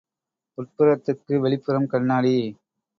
உட்புறத்துக்கு வெளிப்புறம் கண்ணாடி.